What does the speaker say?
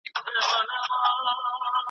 عدالت د خلکو باور زیاتوي.